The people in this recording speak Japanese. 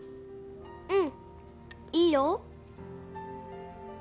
うんいいよ